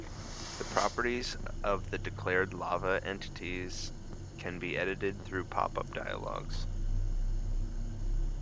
The properties of the declared Lava entities can be edited through pop-up dialogs.